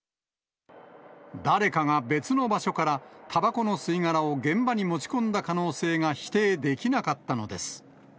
誰かが別の場所から、たばこの吸い殻を現場に持ち込んだ可能性が否定できなかったのです。